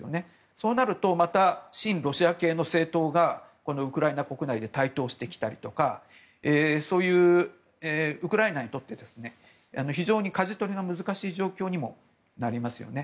そうなると親ロシア系の政党がウクライナ国内で台頭してきたりとかウクライナにとって非常にかじ取りの難しい状況にもなりますよね。